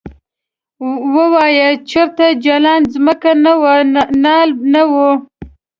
ووایه چرته جلان ځمکه نه وم نال نه وم ؟